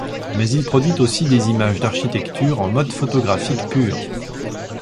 Mais il produit aussi des images d'architecture en mode photographique pur.